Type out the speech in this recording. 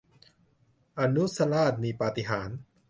อนุสาสนีปาฏิหาริย์